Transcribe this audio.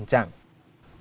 ini anginnya kencang